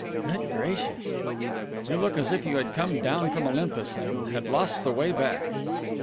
"Good gracious!" "You look as if you had come down from Olympus and had lost the way back."